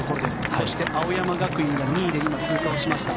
そして青山学院が２位で今、通過をしました。